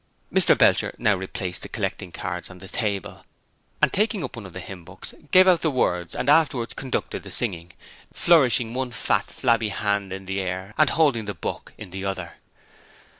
Mr Belcher now replaced the collecting card on the table and, taking up one of the hymn books, gave out the words and afterwards conducted the singing, flourishing one fat, flabby white hand in the air and holding the book in the other.